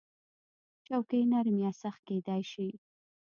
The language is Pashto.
چوکۍ نرم یا سخت کېدای شي.